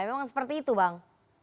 memang seperti itu bang